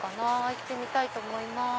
行ってみたいと思います。